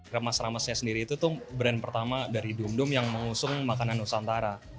remas ramesnya sendiri itu brand pertama dari dum dum yang mengusung makanan nusantara